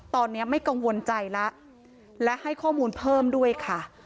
ตอนนี้ไม่กังวลใจแล้วและให้ข้อมูลเพิ่มด้วยค่ะ